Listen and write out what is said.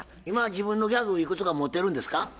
今自分のギャグいくつか持ってるんですか？